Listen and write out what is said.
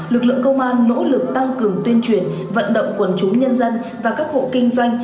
lực lượng công an nỗ lực tăng cường tuyên truyền vận động quần chúng nhân dân và các hộ kinh doanh